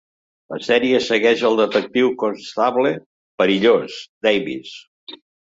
La sèrie segueix al detectiu Constable "Perillós" Davies.